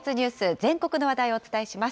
全国の話題をお伝えします。